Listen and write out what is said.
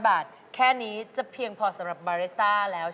บาทแค่นี้จะเพียงพอสำหรับบาเรซ่าแล้ว